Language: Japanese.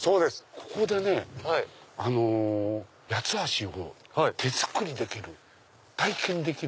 ここでね八つ橋を手作りできる体験できる。